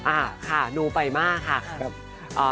อ่าค่ะดูไปมากค่ะ